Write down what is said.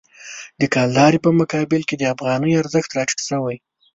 د کلدارې په مقابل کې د افغانۍ ارزښت راټیټ شوی.